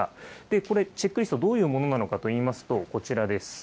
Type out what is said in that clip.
これ、チェックリスト、どういうものなのかといいますと、こちらです。